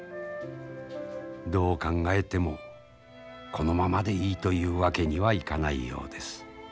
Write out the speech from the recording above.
どう考えてもこのままでいいというわけにはいかないようです。